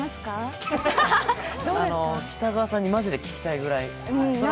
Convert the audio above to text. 北川さんにまじで聞きたいぐらい。